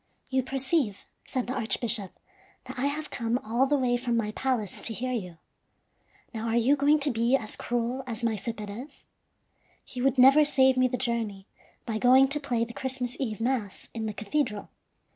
"You perceive," said the archbishop, "that I have come all the way from my palace to hear you. Now, are you going to be as cruel as Maese Perez? He would never save me the journey, by going to play the Christmas Eve mass in the cathedral."